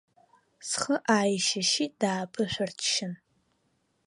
Схы ааишьышьит дааԥышәырччан.